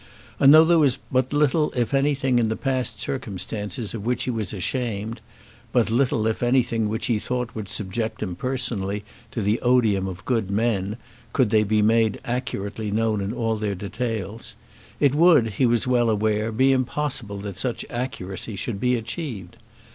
And though there was but little, if anything, in the past circumstances of which he was ashamed, but little, if anything, which he thought would subject him personally to the odium of good men, could they be made accurately known in all their details, it would, he was well aware, be impossible that such accuracy should be achieved.